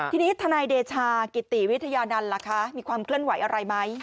ทีนี้ทนายเดชากิติวิทยานันต์ล่ะคะมีความเคลื่อนไหวอะไรไหม